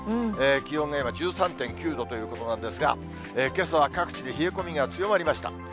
気温が今、１３．９度ということなんですが、けさは各地で冷え込みが強まりました。